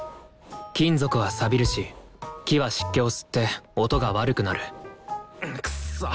金属はさびるし木は湿気を吸って音が悪くなるくっそ！